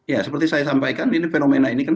ya seperti saya sampaikan ini fenomena ini kan